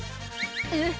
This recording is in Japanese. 「えっ？